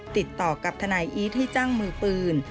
ติดต่อกับทนายอีทให้จ้างมือปืน